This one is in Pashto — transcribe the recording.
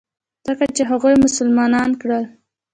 ځکه چې هغوى يې مسلمانان کړل.